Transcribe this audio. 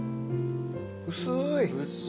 薄い。